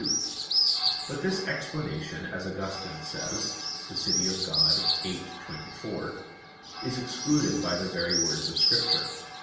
But this explanation, as Augustine says (De Civ. Dei xiii, 24), is excluded by the very words of Scripture.